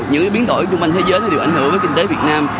những biến đổi trong mạng thế giới đều ảnh hưởng đến kinh tế việt nam